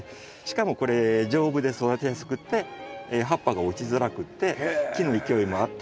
しかもこれ丈夫で育てやすくって葉っぱが落ちづらくって木の勢いもあってという。